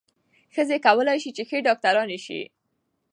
ښځې کولای شي چې ښې ډاکټرانې شي.